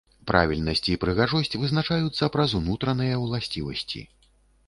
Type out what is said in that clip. Правільнасць і прыгажосць вызначаюцца праз унутраныя ўласцівасці.